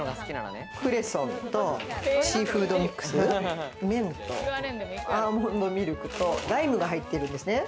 クレソンとシーフードミックス、麺とアーモンドミルクとライムが入ってるんですね。